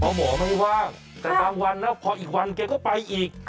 เพราะหมอมันว่างแต่บางวันนะพออีกวันแกก็ไปอีก